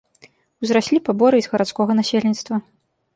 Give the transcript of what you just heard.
Узраслі паборы і з гарадскога насельніцтва.